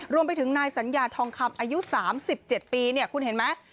รวมไปถึงนายสัญญาทองคำอายุ๓๗ปีเนี่ยคุณเห็นไหม